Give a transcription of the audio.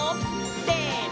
せの！